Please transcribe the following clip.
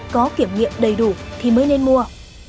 có kiểm nghiệm đầy đủ thì mới nên mua